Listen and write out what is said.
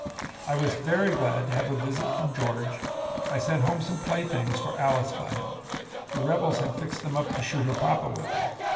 "I was very glad to have a visit from George. I sent home some play things for Alice by him. The rebels had fixed them up to shoot her papa with them.